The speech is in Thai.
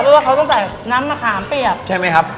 เพราะว่าเขาต้องใส่น้ำมะขามเปียกใช่ไหมครับ